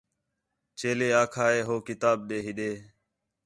چیلے آکھا ہے ہو کتاب تے ہِݙے